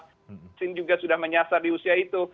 vaksin juga sudah menyasar di usia itu